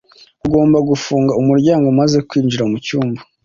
Ugomba gufunga umuryango umaze kwinjira mucyumba.